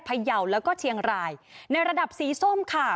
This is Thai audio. เพย่ยาวและก็เชียงรายในรำสีส้มค่ะ